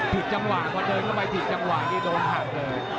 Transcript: ผิดจังหวะพอเดินเข้าไปผิดจังหวะนี่โดนหักเลย